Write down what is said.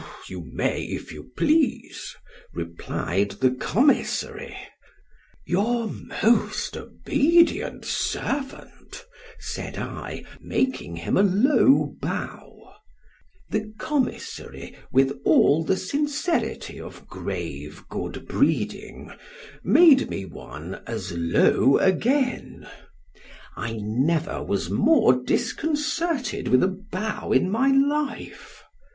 ——You may if you please; replied the commissary—— Your most obedient servant——said I, making him a low bow—— The commissary, with all the sincerity of grave good breeding—made me one, as low again.——I never was more disconcerted with a bow in my life.